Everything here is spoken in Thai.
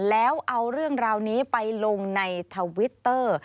แล้วเอาเรื่องราวนี้ไปลงในทวิตเตอร์